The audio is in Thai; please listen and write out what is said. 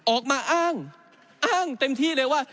ออกมาอ้างอ้างเต็มที่เลยว่า